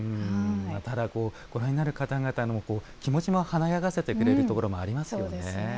ただ、ご覧になる方々の気持ちも華やがせてくれるところもありますよね。